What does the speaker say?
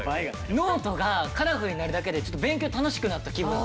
ノートがカラフルになるだけで勉強楽しくなった気分になって。